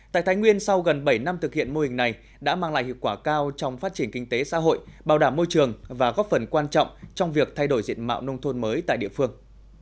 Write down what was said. tại thái nguyên sau gần bảy năm thực hiện mô hình này đã mang lại hiệu quả cao trong phát triển kinh tế xã hội bảo đảm môi trường và góp phần quan trọng trong việc thay đổi diện mạo nông thôn mới tại địa phương